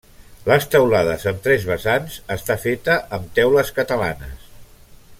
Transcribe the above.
Les teulades, amb tres vessants, està feta amb teules catalanes.